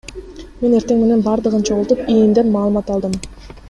Мен эртең менен бардыгын чогултуп, ИИМден маалымат алдым.